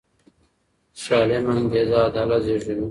سالمه انګیزه عدالت زېږوي